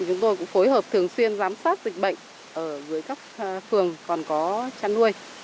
chúng tôi cũng phối hợp thường xuyên giám sát dịch bệnh ở các phường còn có chăn nuôi